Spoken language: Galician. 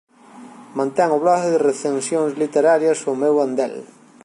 Mantén o blog de recensións literarias "O meu andel".